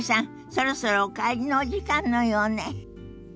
そろそろお帰りのお時間のようね。